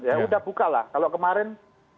ya udah buka lah kalau kemarin